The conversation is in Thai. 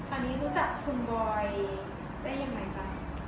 อันนี้รู้จักคุณบอยได้ยังไงคะ